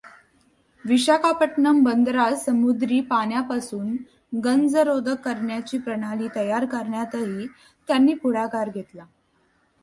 विशाखापट्टणम बंदरास समुद्री पाण्यापासुन गंजरोधक करण्याची प्रणाली तयार करण्यातही त्यांनी पुढाकार घेतला.